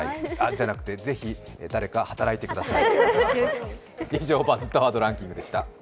じゃなくて、ぜひ誰か働いてください。